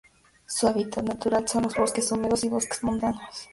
Su hábitat natural son los bosques húmedos y bosques montanos.